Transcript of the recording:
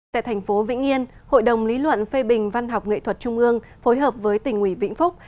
tại thành phố vĩnh yên hội đồng lý luận phê bình văn học nghệ thuật trung ương phối hợp với tỉnh ủy vĩnh phúc